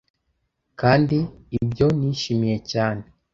kandi ibyo nishimiye cyane